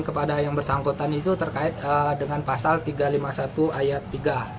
kepada yang bersangkutan itu terkait dengan pasal tiga ratus lima puluh satu ayat tiga